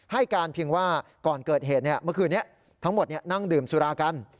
ให้การเพียงว่าก่อนเกิดเหตุเมื่อคืนนี้ทั้งหมดนั่งดื่มสุรากัน